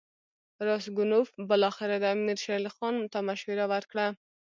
راسګونوف بالاخره امیر شېر علي خان ته مشوره ورکړه.